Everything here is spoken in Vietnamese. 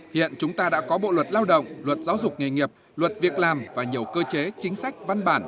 hiện chúng ta đã có bộ luật lao động luật giáo dục nghề nghiệp luật việc làm và nhiều cơ chế chính sách văn bản